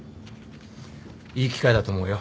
いい機会だと思うよ。